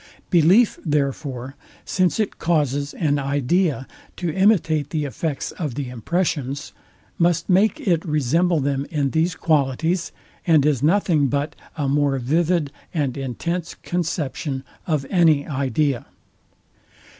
Belief, therefore, since it causes an idea to imitate the effects of the impressions, must make it resemble them in these qualities, and is nothing but A MORE VIVID AND INTENSE CONCEPTION OF ANY IDEA.